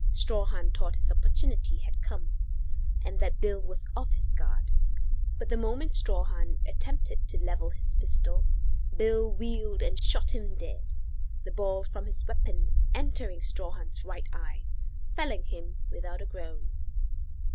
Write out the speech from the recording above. Strawhan thought his opportunity had come, and that Bill was off his guard, but the moment Strawhan attempted to level his pistol, Bill wheeled and shot him dead, the ball from his weapon entering Strawhan's right eye, felling him without a groan.